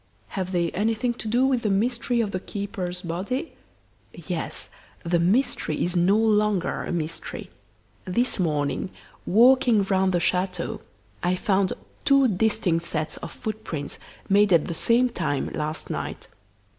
"Have they anything to do with the mystery of the keeper's body?" "Yes; the mystery is no longer a mystery. This morning, walking round the chateau, I found two distinct sets of footprints, made at the same time, last night.